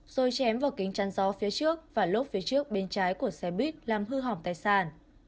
rồi chém vào kính chăn gió phía trước và lốp phía trước bên trái của xe buýt làm hư hỏng tài sản